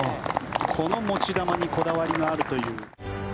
この持ち球にこだわりがあるという。